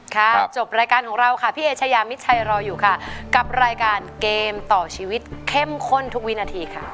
จบรายการของเราค่ะพี่เอเชยามิดชัยรออยู่ค่ะกับรายการเกมต่อชีวิตเข้มข้นทุกวินาทีค่ะ